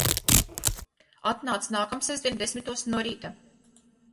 Atnāc nākamsestdien desmitos no rīta.